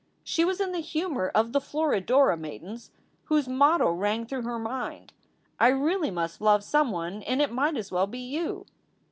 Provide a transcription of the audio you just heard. She was in the humor of the "Florodora" maidens whose motto rang through her mind, "I really must love some one and it might as well be you."